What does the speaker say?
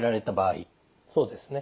そうですね。